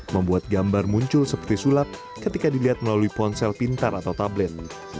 membuat gambar muncul seperti sulap ketika dilihat melalui ponsel pintar atau tablet